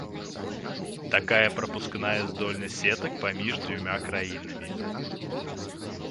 Такая прапускная здольнасць сетак паміж дзвюма краінамі.